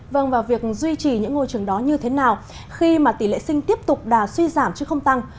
vâng và việc duy trì những ngôi trường đó như thế nào khi mà tỷ lệ sinh tiếp tục đà suy giảm chứ không tăng